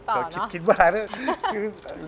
ก็คิดกับน่า